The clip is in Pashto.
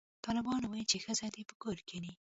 طالبانو ویل چې ښځې دې په کور کښېني